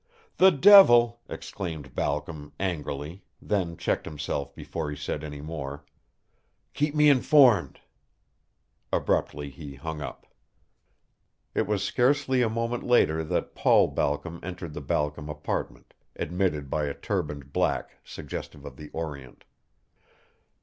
"The devil!" exclaimed Balcom, angrily, then checked himself before he said any more. "Keep me informed." Abruptly he hung up. It was scarcely a moment later that Paul Balcom entered the Balcom apartment, admitted by a turbaned black suggestive of the Orient.